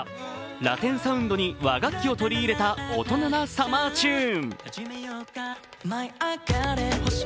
ラテンサウンドに和楽器を取り入れた、大人なサマーチューン。